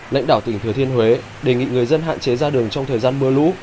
lãnh đạo tỉnh thừa thiên huế đề nghị người dân hạn chế ra đường trong thời gian mưa lũ